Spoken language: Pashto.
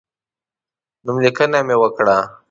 نوملیکنه مې وکړه.